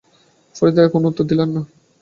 ফরিদা কোনো উত্তর দিলেন না।